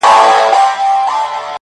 ستا هغه ګوته طلایي چیري ده”